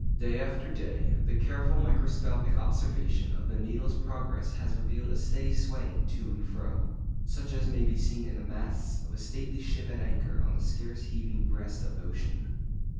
Day after day, the careful microscopic observation of the needle's progress has revealed a steady swaying to and fro, such as may be seen in the masts of a stately ship at anchor on the scarce heaving breast of ocean.